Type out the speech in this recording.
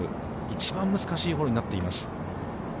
一番難しいホールになっています。